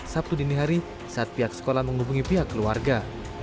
sabtu dini hari saat pihak sekolah menghubungi pihak keluarga